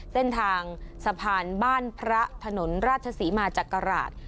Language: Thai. เส้นทางสะพานบ้านพระถนนราชศรีมาจักราช